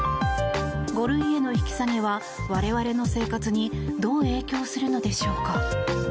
５類への引き下げは我々の生活にどう影響するのでしょうか。